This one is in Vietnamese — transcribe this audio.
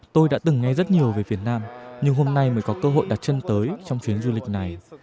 tôi đã từng nghe rất nhiều về việt nam nhưng hôm nay mới có cơ hội đặt chân tới trong chuyến du lịch này